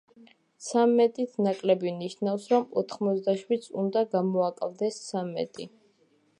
ცამეტით ნაკლები ნიშნავს, რომ ოთხმოცდაშვიდს უნდა გამოაკლდეს ცამეტი.